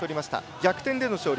逆転での勝利。